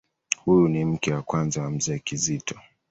Huyu ni mke wa kwanza wa Mzee Kizito.